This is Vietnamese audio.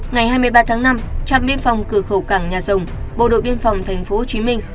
ngày hai mươi ba tháng năm trạm biên phòng cửa khẩu cảng nhà rồng bộ đội biên phòng tp hcm